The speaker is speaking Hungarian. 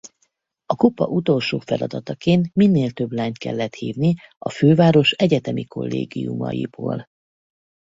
A Kupa utolsó feladataként minél több lányt kellett hívni a főváros egyetemi kollégiumaiból.